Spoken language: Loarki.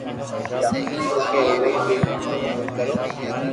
ھتو ڪي اووي ڪوڪر مدد ڪرو